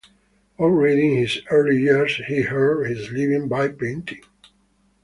Already in his early years he earned his living by painting.